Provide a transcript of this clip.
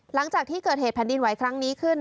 หลังจากที่เกิดเหตุแผ่นดินไหวครั้งนี้ขึ้น